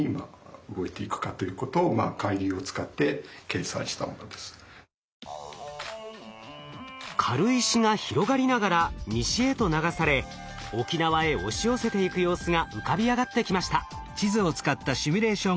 これは軽石が広がりながら西へと流され沖縄へ押し寄せていく様子が浮かび上がってきました。